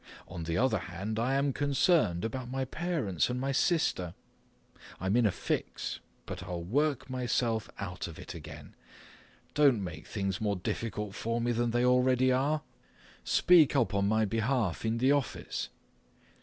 On the other hand, I am concerned about my parents and my sister. I'm in a fix, but I'll work myself out of it again. Don't make things more difficult for me than they already are. Speak up on my behalf in the office!